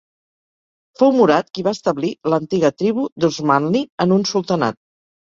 Fou Murad qui va establir l'antiga tribu d'Osmanli en un sultanat.